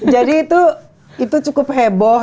jadi itu cukup heboh